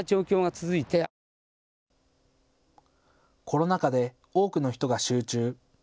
コロナ禍で多くの人が集中。